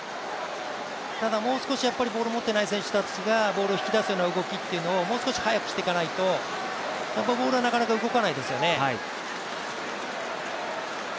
ただ、もう少しボールを持っていない選手たちが、ボールを引き出すような動きというのをもう少し早くしていかないと、ボールはなかなか動かないですよね。